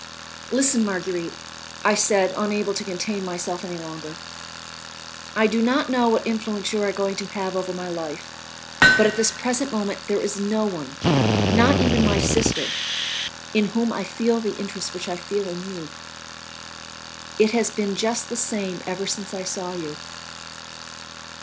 "Listen, Marguerite," I said, unable to contain myself any longer; "I do not know what influence you are going to have over my life, but at this present moment there is no one, not even my sister, in whom I feel the interest which I feel in you. It has been just the same ever since I saw you.